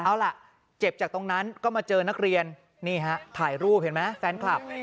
เอาล่ะเจ็บจากตรงนั้นก็มาเจอนักเรียนนี่ฮะถ่ายรูปเห็นไหมแฟนคลับ